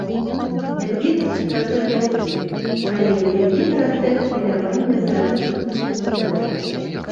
Ядвіга сустракае гасцей, але ў яе нарастае хваляванне з-за адсутнасці гаспадара.